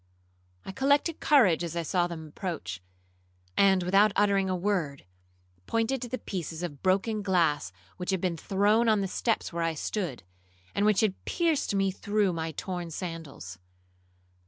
I collected courage as I saw them approach; and, without uttering a word, pointed to the pieces of broken glass which had been thrown on the steps where I stood, and which had pierced me through my torn sandals.